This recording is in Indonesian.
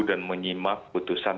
dan menyimak keputusan